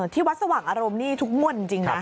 ที่วัดสว่างอารมณ์นี่ทุกงวดจริงนะ